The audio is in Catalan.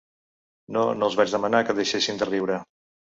No, no els vaig demanar que deixessin de riure.